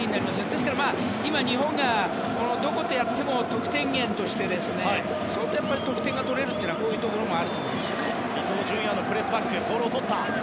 ですから、日本がどことやっても得点源として得点が取れるのはこういうところもあるんじゃないですかね。